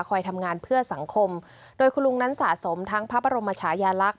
ทำงานเพื่อสังคมโดยคุณลุงนั้นสะสมทั้งพระบรมชายาลักษณ